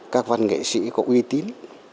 các văn nghệ sĩ có uy tín